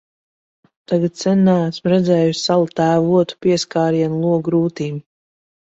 Tagad sen neesmu redzējusi Salatēva otu pieskārienu logu rūtīm.